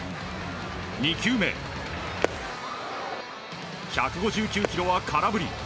２球目、１５９キロは空振り。